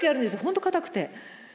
本当固くて。